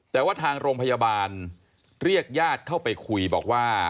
แต่ว่าทางโรงพยาบาลเรียกญาติเข้าไปคุยบอกว่า